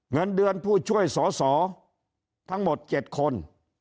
เงินเดือนผู้ช่วยสอสอทั้งหมด๗คน